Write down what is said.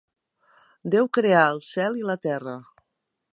Déu creà el cel i la terra.